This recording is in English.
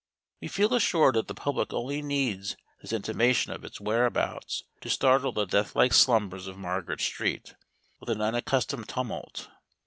We feel assured that the public only needs this intimation of its whereabouts to startle the death like slumbers of Margaret Street with an unaccustomed tumult.